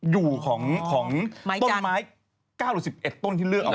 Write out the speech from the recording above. อยู่ของต้นไม้๙๑๑ต้นที่เลือกเอาไว้